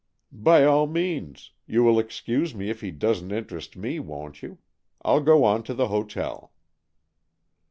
" By all means. You will excuse me if he doesn't interest me, won't you? I'll go on to the hotel."